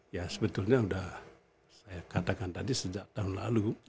ya sebetulnya sudah saya katakan tadi sejak tahun lalu